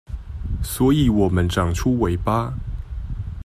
所以我們長出尾巴